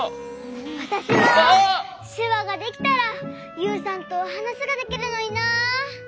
わたしもしゅわができたらユウさんとはなしができるのにな。